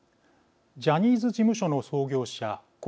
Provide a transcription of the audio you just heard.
ジャニーズ事務所の創業者故